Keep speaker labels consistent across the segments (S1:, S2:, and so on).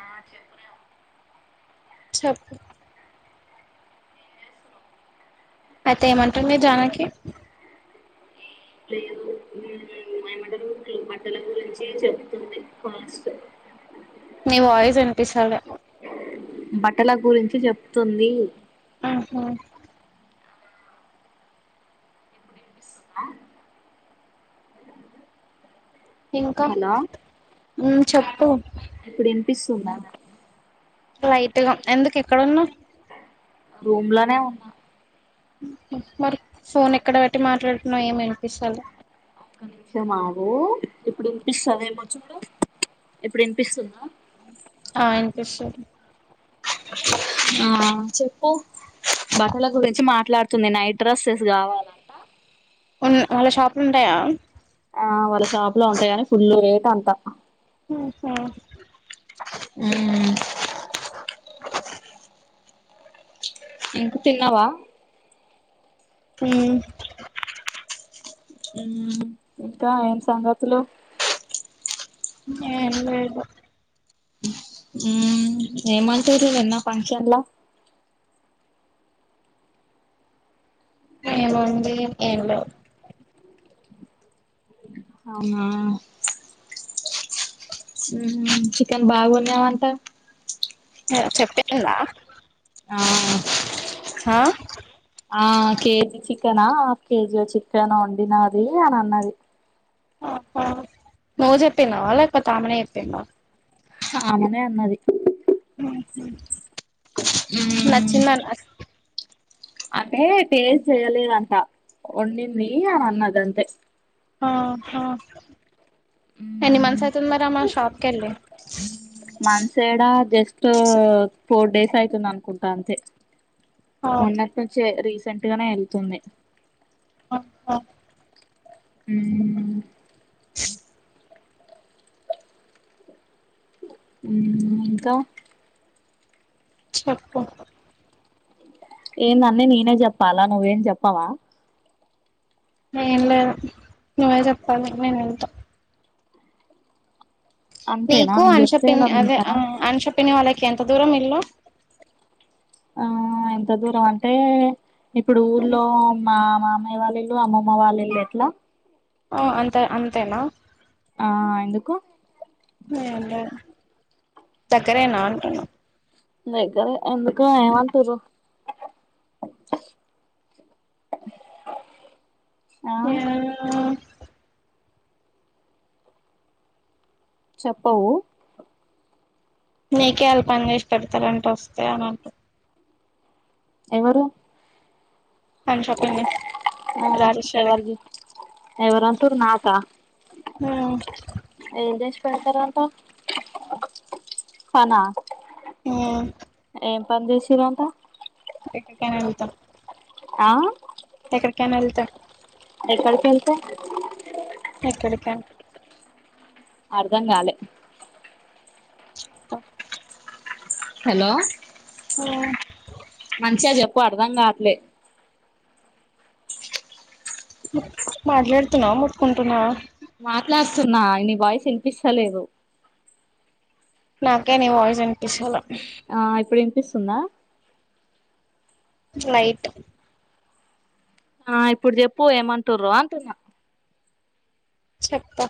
S1: ఆ చెప్పురా
S2: చెప్పు అయితే ఏమంటుంది జానాకి
S1: లేదు మాయ మండలు టి బట్టల గురించి చెప్తుంది కాస్ట్ అ
S2: నీ వాయిస్ ఇనిపిస్తలే
S1: బట్టల గురించి చెప్తుంది
S2: ఆహా ఇంకా
S1: హలో
S2: ఉమ్ చెప్పు
S1: ఇప్పుడినిపిస్తుందా
S2: లైట్గ ఎందుకు ఎక్కడున్నవ్
S1: రూమ్ లనే ఉన్నా
S2: మరి ఫోన్ ఎక్కడ బెట్టి మాట్లాడుతున్నాం ఏం వినిపిస్తలే
S1: కొంచెం ఆగూ ఇప్పుడినిపిస్తదేమో చూడు ఇప్పుడు ఇన్పిస్తుందా
S2: ఆ ఇనిపిస్తుంది
S1: ఆ చెప్పు బట్టల గురించి మాట్లాడుతుంది నైట్ డ్రస్సెస్ గావాలంట
S2: ఉన్ వాళ్ళ షాపులు ఉంటాయా
S1: ఆ వాళ్ళ షాప్ లో ఉంటాయి కానీ ఫుల్ రేట్ అంతా
S2: ఆహా
S1: మ్మ్ ఇంక తిన్నావా
S2: ఉమ్
S1: ఇంకా ఏం సంగతులు
S2: ఏం లేదు
S1: ఉమ్ అంటంరు నిన్న ఫంక్షన్లా
S2: ఏముంది ఏమి లేదు
S1: అవునా చికెన్ బాగు వండినవు అంటా
S2: చెప్పింద
S1: ఆ
S2: హా
S1: ఆ కేజీ చికెనా హాఫ్ కేజీ చికెన్ వండిన అది అని అన్నది
S2: ఆహా నువ్ చెప్పిన్నావా లేకపోతే ఆమెనే చెప్పివా
S1: అమ్నే అన్నది
S2: ఆహా నచ్చిందా
S1: అంటే టెస్ట్ చేయలేదంట వండింది అని అన్నదంతే
S2: ఆహా ఎన్ని మంత్స్ అయితుంది మరి ఆమె షాప్ కెళ్ళి
S1: మాన్సేడా జస్ట్ ఫోర్ డేస్ అవుతుంది అనుకుంటా అంతే
S2: ఆ
S1: మొన్నటి నుంచే రీసేట్గానే వెళ్తుంది
S2: ఆహ
S1: మ్మ్
S2: [inaudible]
S1: ఉమ్మ్ ఇంకా
S2: చెప్పు
S1: ఏందన్నీ నేనే చెప్పాలా నువ్వేం చెప్పవా
S2: ఏం లేదు నువ్వే చెప్పాలి నేను వింటా
S1: అంతేనా
S2: నీకు
S1: నేను చెప్తే
S2: అన్షప్పిన్
S1: నువ్వు
S2: అదే
S1: వింటావా
S2: అంశ పిన్ని వాళ్ళకి ఎంత దూరం ఇల్లు
S1: ఆ ఎంత దూరం అంటే ఇప్పుడు ఊర్లో మా అమ్మాయి వాళ్ళ ఇల్లు అమ్మమ్మ వాళ్ళిళు ఎట్లా
S2: ఓ అంతా అంతేనా
S1: ఆ ఎందుకు
S2: ఏం లేదు దగ్గరేనా అంటున్నా
S1: దగ్గరే ఎందుకు ఏం అంటున్ర్ ఆ
S2: హ
S1: చెప్పవు
S2: నీకే వాళ్ళ పని చేసి పెడతారంటే వస్తే అని అంట
S1: ఎవరు
S2: అన్షపిని
S1: ఆ
S2: రాజేశ్వరికి
S1: ఎవరు ఎవరంటురు నాక
S2: ఆ
S1: పెడ్తారంటా పనా
S2: ఉమ్
S1: ఏం పని చేసిరంటా
S2: ఎక్కడికేనా ఎళతాం
S1: ఆ
S2: కాని ఎళ్ళ్తా
S1: ఎక్కడకి ఎళ్తే
S2: ఎక్కడికేనా
S1: అర్ధం గాలే
S2: చ్ అ
S1: హలో
S2: హ్మ్
S1: మంచిగా చెప్పు అర్ధం గాట్లే
S2: మాట్లాడ్తునావ ముతుక్కుటునావ
S1: మాట్లాడుతున్నా నీ వాయిస్ వినిపిస్తలేదు
S2: నాకే నీ వాయిస్ వినిపిస్తలే
S1: ఆ ఇప్పుడు వినిపిస్తుందా
S2: లైట్
S1: ఆ ఇప్పుడు చెప్పు ఏమంటురో అంటున్నా
S2: చెప్పతా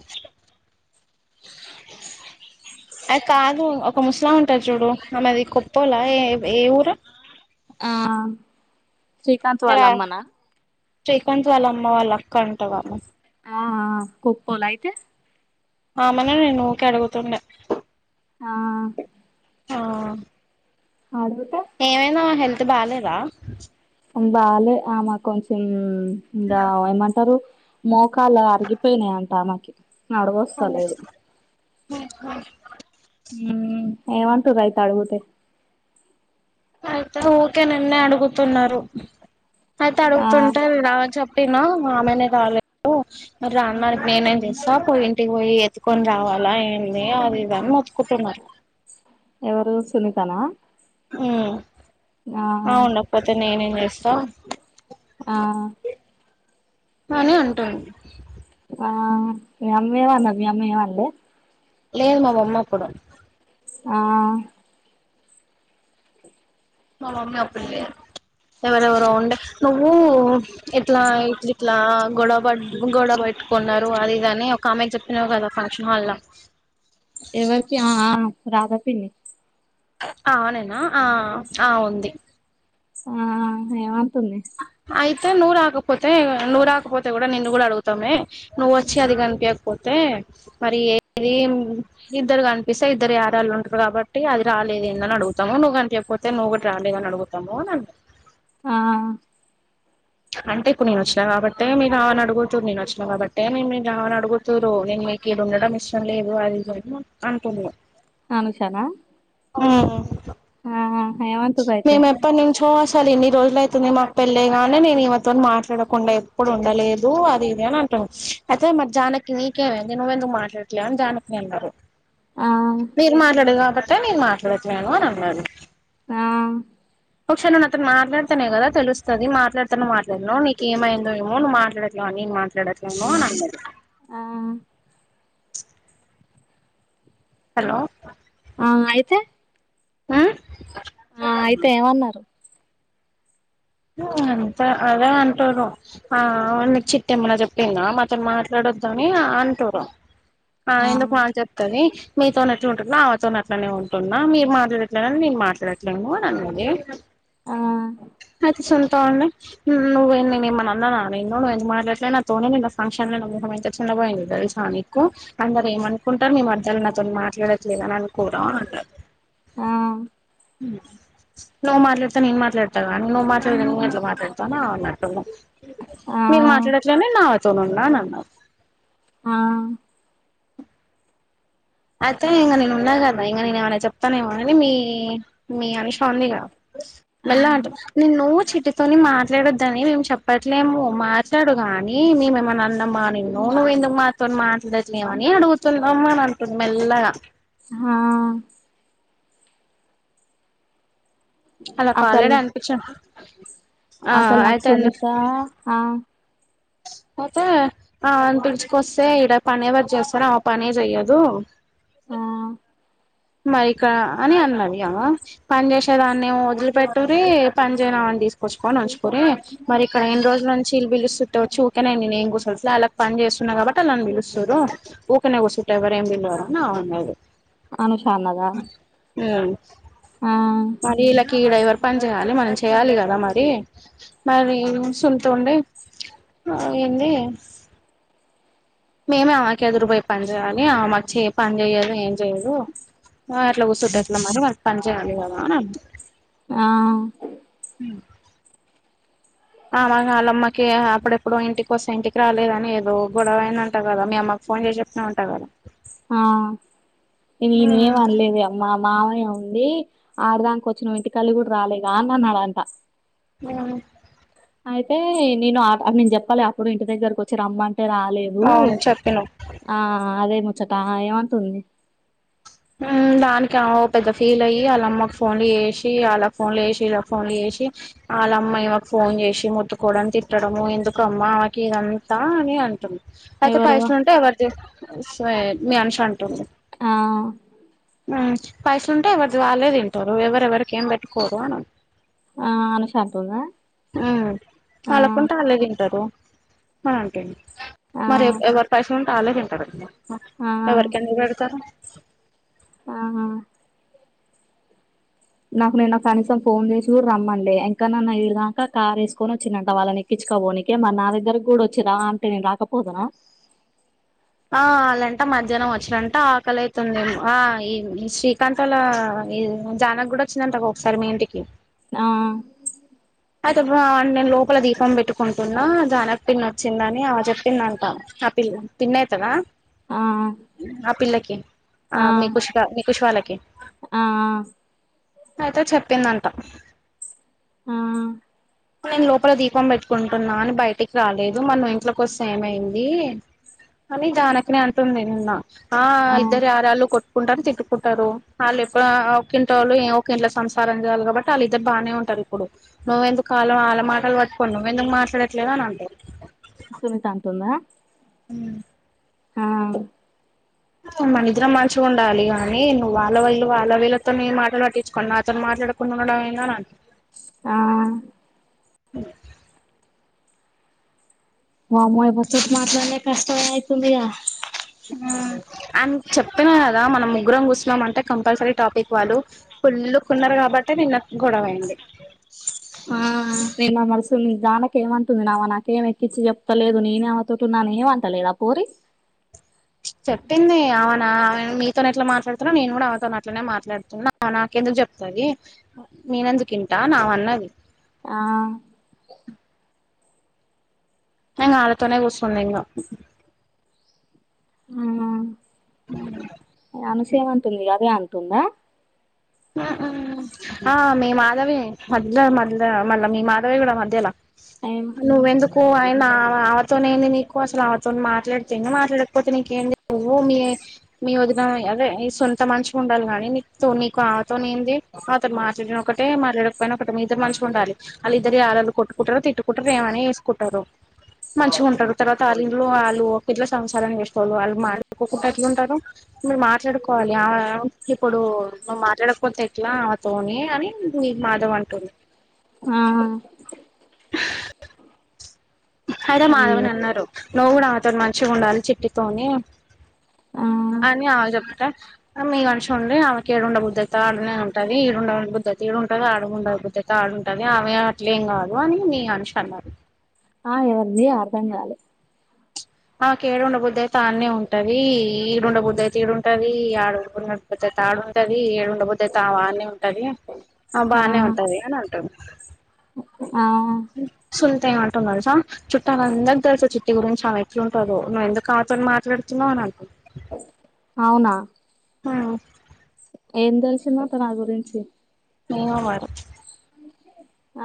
S1: [inaudible]
S2: అది కాదు ఒక ముస్లాం ఉంటాది చూడు ఆ మాది కొత్తల్లా ఏ ఏ ఊరు
S1: ఆ శ్రీకాంత్ వాళ్ళ
S2: రా
S1: అమ్మనా
S2: శ్రీకాంత్ వాళ్ళ అమ్మ వాళ్ళ అక్క అంట ఆమే
S1: ఆ కోక్పోల అయితే
S2: ఆమేనే నేన్ను ఊరికి అడుగుతుండే
S1: ఆ
S2: ఆ
S1: ఆడువర్క్
S2: ఏమైంది ఆమెకు హెల్త్ బాలేదా
S1: బాలే ఆమే కొంచెం ఇం ఏమంటరు మోకాలు అరిగిపోయినాయంట ఆమేకి
S2: ఉ ఉహు
S1: మ్ ఏ ఉంటరు అయితే అడుగుతే
S2: అయితే ఊకే నిన్నే అడుగుతున్నారు అయితే
S1: ఆ
S2: అడుగుతుంటే రా చెప్ప ట్టినా మా ఆమెనే రాలేదు రాన్నాడు నేనేం చేస్తా పోయి ఇంటికి పోయి ఎత్తుకొని రావాల లా ఏంది అది ఇది అని మతుకుంటున్నార
S1: ఎవరు సునీతనా
S2: మ్
S1: ఆ
S2: ఆమె ఉండకపోతే నేనేం చేస్తా
S1: ఆ
S2: అని అంటుంది
S1: ఆ మీ అమ్మే ఎమన్నది మీ అమ్మ ఏం అనలే
S2: లేదు మా మమ్మి అప్పుడు
S1: ఆ
S2: మా మమ్మి అప్పుడు లేదు ఎవరెవరో ఉండే నువ్వు ఇట్లా ఇట్లి ఇట్లా గొడవ బడ గొడవ బడి కొందరు అది గాని ఒక ఆమెకి చెపిన్నావ్ కదా ఫంక్షన్ హాల్ లా
S1: ఎవరికి ఆ ఆ రాదా పిన్ని
S2: ఆవనేనా ఆ ఆ ఉంది.
S1: ఆ ఆ ఏవంటుంది.
S2: అయితే నువ్వు రాకపోతే, నువ్వు రాకపోతే కూడా నిన్ను కూడా అడుగుతామే నువ్వు వచ్చి అది కనిపియకపోతే. ఏ మరి ఏది ఇద్దరు కనిపిస్తే ఇద్దరు ఎరళ్ళు ఉంటారు గాబట్టి అది రాలేద్ ఏనో. నడుగుంతమో నువ్వు కనిపియకపోతే, నువ్వు కూట రాలేదని కూడా అడుగుతాము.
S1: ఆహా
S2: అంటే ఇప్పుడు నేను వచ్చినా గాబట్టే మీ రావని అడగొచ్చు. నేను వచ్చినా గాబట్టే నే రావని అడుగుతారు నేను మీక్ ఇడుండడం ఇష్టం లేదు, అది లేదు అంటునే
S1: అనూష నా
S2: ఉహ్
S1: ఆఆ
S2: మీమ్ ఎప్పన్ నీచొస్ తల్ ఇన్ని రోజులు అయితుంది. మాక్ పెళ్ళై గానే నేను ఇవ్వతోని మాట్లాడకుండా ఎప్పుడు ఉండలేదు. అది ఇది అంట్ అయితే మరి జానకి నీకేవైందే నువ్వెందుకు మాట్లాడట్లేవ్ అని జానకిని అన్నరు.
S1: ఆ
S2: మీరు మాట్లాడలే గాబట్టే నేను మాట్లాడట్లేను అని అన్నాను.
S1: ఆ
S2: ఒకసారి నువ్వు నాతో మాట్లాడతానే కదా తెలుస్తది. మాట్లాడుతానో మాట్లాడనో నీక్ ఏమైందో ఏమో నువ్వుట్లాలేవు ఆన్ నీన్ మాట్లాడాట్లేను అని అనంది.
S1: ఆ ఆ
S2: హలో
S1: ఆ అయితే
S2: ఆ
S1: ఆ అయితే ఏవన్నరు.
S2: లోన్ త అదా అంటురు. ఆ నీక్ చిట్టెమ్మనా జేప్పిందా మాతోని మాట్లాడ ఓదానియా అంటురు. ఆ ఎందుకు మా చెప్తది. మీతోన్ ఎట్లున్నా అవా తోనే అట్లుంటున్నా. మీరు మాట్లాడట్లేనని నేను మాట్లాడట్లేము అని అన్నది.
S1: ఆ
S2: నాతూ సొంతా అండి. నువ్వు నేనుమన్న నీను నువ్వు ఎందుకు మాట్లాటలే నా తోనే నా ఫంక్షన్ ఆమె ఎంత చిన్న బోయిందో దేలుసా నీకు అందరు ఏమనుకుంటారు. మీ మరదల్ నాతో మాట్లాడట్లేదు అని అనుకోరా అవంటా
S1: ఆ
S2: నువ్వు మాట్లాడుతే నేను మాట్లాడతగా నువ్వు మాట్లాడితే నువ్వు ఎట్లా మాట్లాడతా అన్నట్టు.
S1: ఆ
S2: మీరు మాట్లాడట్లేనే నీన్ అవతోన్ ఉన్నా అని అన్నార్.
S1: ఆ
S2: అయితే ఇంగా నేను ఉన్నా గదా ఇంగా నేను ఏమనా చెప్తానే ఏమోనని మీ మీ అనుషా ఉందిగా.
S1: ఆ
S2: మెల్లా అంట నిన్ను చిటితోని మాట్లాడొద్దని మేము చెప్పట్లేము మాట్లాడొద్. కానీ మీమేమన్నా అన్నమ్మా నిన్ను నువ్వు ఎందుకు మాతోని మాట్లాడలేవని అడుగుతున్నామా అని అన్నన్ టున్ మెల్లగా
S1: ఆహా
S2: అలాక్
S1: అసలు
S2: ఆల్రడీ అనిపించో ఆ
S1: అసలు నాకు
S2: అయితేందో
S1: సునీత ఆ
S2: అయితే ఆన్ పిలుచుకొస్తే ఇడా పని ఎవరు చేస్తారో ఆ పని చెయ్యదు.
S1: ఆ
S2: మైకా అని అన్నది అవ్వా పని జేసేదాన్నీ ఏమో వదిలి పెట్టూరి పని జేయనీ అవన్ దీసుకొచ్చుకొన్ని ఉంచుకని మరి ఇక్కడ ఎన్ని రోజులా నుంచి ఇల్ బిలుస్తుంటే వొచ్చి ఊకనే మీ నీన్ ఏం గుసుట్లే ఆల్లక్ పన్ నేను జేస్తున్నా గాబట్టి ఆళ్లు నన్ బిలుస్తారు ఊకనే కూసుంటే ఎవర ఏం పిలవరు అని అవన్నాది
S1: అనూష అన్నదా
S2: ఉమ్మ్
S1: ఆ
S2: మరి ఇల్లాకి ఇడ వర్ పని జేయాలి మనం చేయాలి గదా మరి మరీ సున్తో ఉండే ఆ అదేంది మేమే ఆమకి ఎదురుబొయి పని జేయ్యాలి ఆమాచ్చు ఏ పని జేయ్యదు ఏం జేయ్యదు ఆ ఎట్లా కూస్తుంటే ఎట్లా మరి వాళ్లక్ పన్ జేయాలి గదా అన్నాన్
S1: ఆ
S2: ఉమ్మ్ ఆ మక్ అళ్ళమ్మకి అప్పుడెప్పుడొ ఇంటికి కోస్తే ఇంటికి రాలేదని ఏదో గొడవైదంటా గదా మీ అమ్మ ఫోన్ జేసి చెప్తానవు ఉంటా గదా
S1: ఆ నేయి నేనేమ్ అనలేదే అమ్మా మావయ్య ఉండి ఆడిదంక్కా వచ్చిన ఇంటికల్లి గూడ రాలేగా అని అన్నాడంట.
S2: ఉమ్మ్
S1: అయితే నేను అప్ అప్పుడు నేన్ జేప్పాలే అప్పుడు ఇంటి దగ్గరకు వచ్చి రమ్మంట్ టే రాలేదు
S2: అవును చెప్పినవ్
S1: ఆ అదే ముచ్చట ఏమటుంది
S2: ఉమ్మ్ దానికి ఆమె ఓ పెద్ద ఫీల్ అయ్యి, అల్లమ్మక్ ఫోన్లు జేసి అల్లక్ ఫోన్లు జేసి ఇల్లక్ ఫోన్లు జేసి. ఛీ ఆళ్ల అమ్మ ఇవాకు ఫోన్ జేసి ముత్తుకోవడం తిట్టడ ఎందుకుమ్మా ఆవకి ఇదంతా అని అంటుంది అయితే
S1: ఎవరు
S2: పైసలు ఉంటే ఎవరిది సేవర్ మీ అనుష అంటుంది
S1: ఆ
S2: ఉమ్ పైసలుంటే ఎవరి వాళ్లే దింటారు ఎవరెవరిక ఏం బెట్టుకోరు అని అన్నది
S1: ఆ అనుష అంటుందా
S2: ఉమ్మ్
S1: ఆ
S2: వాళ్లకుంటే అలే దింటారు మరి అంటుంది
S1: ఆ
S2: మరి ఏ ఎవర్ పైస ఉంటే అలే దింటారు గదా
S1: ఆ
S2: ఎవరికెందుకు వెడుతారు
S1: ఆహా నాకు నిన్న కానీసం ఫోన్ జేసి గూడ రమ్మనలే. యకన్న అన్ను ఇడిదాక్క కార్ ఏసుకొని వచ్చిండంట వాళ్లని ఎక్కిచ్ ఎక్కిచ్కబోనికే మర్ నా దగ్గరకి గూడ వచ్చి రా అంటే నేను రాకపోదునా
S2: ఆ అల్లంట మధ్యాన్నామ్ వచ్చారంట ఆకలి అయితుందేమో. ఆ ఈ శ్రీకాంత్ ఒళ్ల జానక గూడ వచ్చందంట గదా ఒక్కసారి మీ ఇంటికి
S1: ఆ
S2: అయితే నేను లోపల దీపం పెట్టుకుంటున్నా జానక్ పిన్ని వచ్చిందని ఆవె జేప్పిందంటా. పి పిన్నయితదా
S1: ఆ
S2: ఆ పిల్లకి ఆ మీ కుష్ రా మీ కుష్ వాళ్లకి
S1: ఆ ఆ
S2: అయితే చెప్పిందంట
S1: ఉమ్మ్
S2: ఇప్పుడే నేను లోపల దీపం పెట్టుకుంటున్నా అని బయటికి రాలేదు. మర్ నువ్ ఇంట్ల కోస్తే ఏమైంది అని జానకినే అంటుంది నిన్న ఆ ఇద్దరు యరళ్ళు కొట్ కొట్టుకుంటారు తిటుకుంటారు. వాళ్ళఎప్పుడు ఒక ఇంటిల్లో ఏ ఒక్ ఇంట్లో సంసారం జేయాలీ గాబట్టి వాళ్ల ఇద్దరు బానే ఉంటారు. ఇప్పుడు నువ్వెందుకాళ్ళ అల్ల మాటలు వట్టుకోని నువ్వెందుకు మాట
S1: సునీత అంటుందా
S2: ఉమ్మ్
S1: ఆమ్
S2: ఆవును మనిద్దరం మంచిగుండాలి. గానీ నువ్వు వాళ్ల విళ్ళు వాళ్ల వీళ్ళతోనీ మాటలు పట్టించుకోనీ నాతోన్ మాట్ ఇంట్లో ఉండేటప్పుడు కూడా అయిందానా
S1: ఆ
S2: అ ఇక్కడ ఎటువంటి శబ్దం లేదు పదాలు ఉపయోగించలేదు
S1: వామ్మో ముచ్చట్ మాట్లాడే కి కష్టమైతుందిగా
S2: ఉమ్ అండ్ చెప్పిన కదా మనం ముగ్గురం కూర్చున్నాం అంటే కంపల్సరీ టాపిక్ వాళ్ళు కుల్లుకున్నారు కాబట్టే నిన్న గొడవయింది
S1: ఆ ప్రేమా మనసుల్ని జానకి ఏమంటుంది నావ నాకేం ఎక్కించి చెప్తాలేదు నేనే అమెతో ఉంటున్నా ఏమంటలేదిక అ పోరి
S2: చెప్పింది ఆమె నా మీతోనే ఎట్లా మాట్లాడుతున్నా నేను కూడా ఆమె తోని అట్లనే మాట్లాడుతున్నా, నా ఎందుకు చెప్తది నేను ఎందుకు వింటా అని ఆమె అన్నది
S1: ఆ
S2: కానీ వాళ్లతోనే కూసోని తిన్నావ్
S1: ఉ అనూష ఎం అంటుంది, అదే అంటుందా [unintelligible]
S2: ఆ మీ మాధవి మధ్యలా మధ్యలా మళ్ళా మీ మాధవి కూడా మధ్యలా
S1: ఏం
S2: నువ్వు ఎందుకు ఆ ఆ ఆమె ఆమెతోనే ఏంది నీకు అసలు ఆమెతో మాట్లాడితే మాట్లాడకపోతే నీకేంది నువ్వు మీ మీ వదిన అదే ఈ సొంత మనిషిగా ఉండాలి గానీ నీతోని కు ఆమెతోనే ఏంది ఆమెతోని మాట్లాడిన ఒకటే మాట్లాడకపోయినా ఒకటే మీ ఇద్దరు మంచిగా ఉండాలి, వాళ్లు ఇద్దరు ఆల్రెడీ కొట్టు కుంటారు తిట్టుకుంటారు ఏమన్నా చేసుకుంటారు మంచిగా ఉంటారు తర్వాత వాళ్ళ ఇంట్లో వాళ్ళు ఎట్లా సంసారం చేసెటోళ్ళు వాళ్ళు మాట్లాడుకోకుండా ఎట్ల ఉంటారు మీరు మాట్లాడుకోవాలి ఆ ఇప్పుడు నువ్వు మాట్లాడకపోతే ఎట్లా నాతోనే అని మాధవి అంటోంది
S1: ఉమ్
S2: అయితే
S1: అయ్యో
S2: మాధవని అన్నారు, నువ్వు కూడా మాతో మంచిగా ఉండాలి చిట్టితోని
S1: ఆ
S2: అని వాళ్లు చెప్ప మీ అనూష ఉంది ఆమెకి ఏడుండ బుద్ధతి అయితే ఆడనే ఉంటది, ఈడుండ బుద్దతి అయితే ఈడుంటది ఆడుండ బుద్ధి త ఆడుంటది ఆమె ఏం అట్లేం కాదు అని మీ అనుష అన్నాది
S1: ఆ ఏమంది అర్థం కాలే
S2: ఆమెకి ఏడుండ బుద్ధి అయితే ఆడనే ఉంటది, ఈడుండ బుద్ధి అయితే ఈడ ఉంటది ఆడుండ బుద్ధి ఆడు ఉంటది, ఈడుండ బుద్ది అయితే ఆమె ఆనే ఉంటది ఉంటది ఆమే
S1: ఆ
S2: బానే ఉంటది అని అంటుంది
S1: ఆ
S2: సునీత ఎం అంటుంది తెలుసా చుట్టాల అందరికీ తెలుసు చిట్టి గురించి ఆమె ఎట్లా ఉంటుందో నువ్వు ఎందుకు ఆమె తో మాట్లాడుతున్నావు అని అంటుంది
S1: అవునా
S2: ఉమ్
S1: ఎం తెలిసిందంట నా గురించి
S2: ఏమో మరి
S1: ఆ